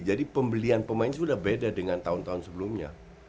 jadi pembelian pemain sudah beda dengan tahun tahun sebelumnya